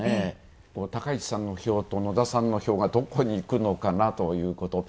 高市さんの票と、野田さんの票がどこにいくのかなということ。